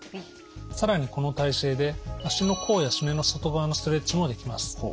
更にこの体勢で足の甲やすねの外側のストレッチもできます。